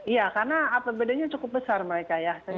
iya karena perbedaannya cukup besar mereka ya